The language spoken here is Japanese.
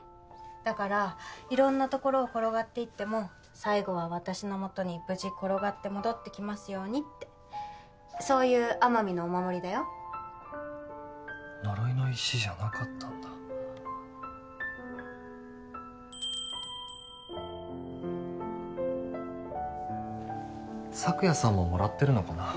だから色んなところを転がっていっても最後は私のもとに無事転がって戻ってきますようにってそういう奄美のお守りだよ呪いの石じゃなかったんだ朔也さんももらってるのかなあ